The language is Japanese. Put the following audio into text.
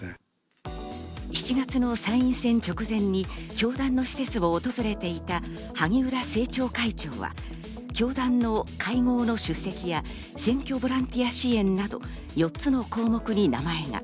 ７月の参院選直前に教団の施設を訪れていた萩生田政調会長は、教団の会合の出席や選挙ボランティア支援など、４つの項目に名前が。